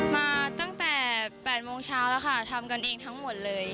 มาตั้งแต่๘โมงเช้าแล้วค่ะทำกันเองทั้งหมดเลย